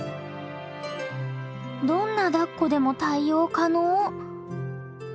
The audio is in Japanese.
どんなだっこでも対応可能。